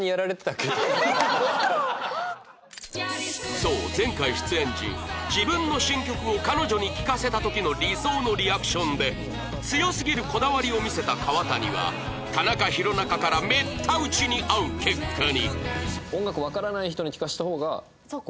そう前回出演時自分の新曲を彼女に聴かせた時の理想のリアクションで強すぎるこだわりを見せた川谷は田中弘中からめった打ちに遭う結果に